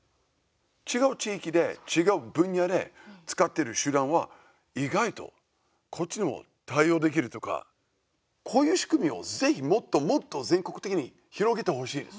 違う地域で違う分野で使ってる手段は意外とこっちにも対応できるとかこういう仕組みをぜひ、もっともっと全国的に広げてほしい。